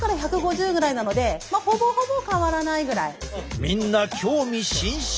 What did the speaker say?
みんな興味津々。